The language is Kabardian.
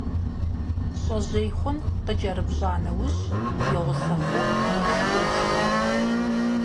ЩIэжьей хъун къыкIэрыпщIа нэужь, и гъуса хъур ешхыж.